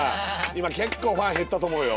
今結構ファン減ったと思うよ。